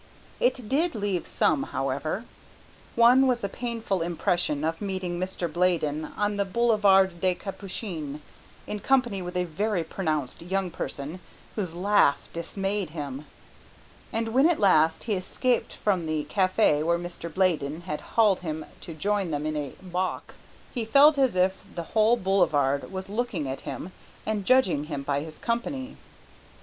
It did leave some, however. One was a painful impression of meeting Mr. Bladen on the Boulevard des Capucines in company with a very pronounced young person whose laugh dismayed him, and when at last he escaped from the café where Mr. Bladen had hauled him to join them in a bock he felt as if the whole boulevard was looking at him, and judging him by his company.